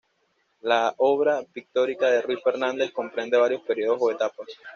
La obra pictórica de Ruiz Fernández comprende varios periodos o etapas.